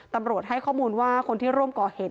ตำรวจให้ข้อมูลว่าคนที่ร่วมก่อเหตุ